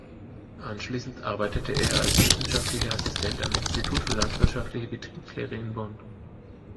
Anschließend arbeitete er als wissenschaftlicher Assistent am Institut für landwirtschaftliche Betriebslehre in Bonn.